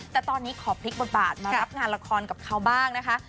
แต่ตอนนี้ขอพลิกบทบาทมารับงานละครกับเขาบ้างนะคะ